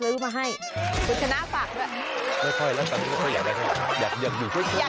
อยากเก็บตังค์เลย